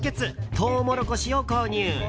トウモロコシを購入。